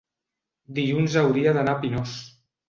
dilluns hauria d'anar a Pinós.